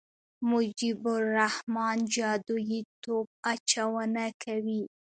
مجيب الرحمن جادويي توپ اچونه کوي.